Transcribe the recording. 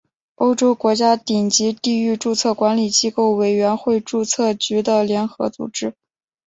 欧洲国家顶级域注册管理机构委员会注册局的联合组织。